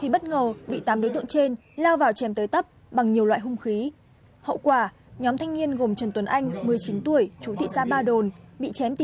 xin chào và hẹn gặp lại